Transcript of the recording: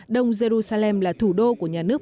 đông jerusalem là thủ đô của nhà nước